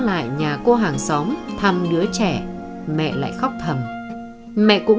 lúc ấy cô lan đã sinh con